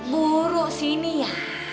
buruk sini ya